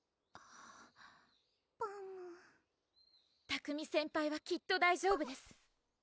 パム拓海先輩はきっと大丈夫ですパム？